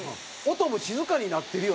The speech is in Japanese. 音も静かになってるよね